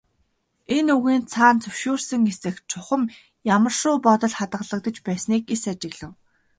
Энэ үгийн цаана зөвшөөрсөн эсэх, чухам ямар шүү бодол хадгалагдаж байсныг эс ажиглав.